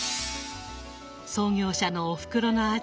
創業者のおふくろの味